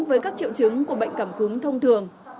với các triệu chứng của bệnh cảm hứng thông thường